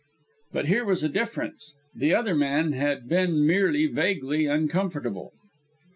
But here was a difference. The other man had been merely vaguely uncomfortable.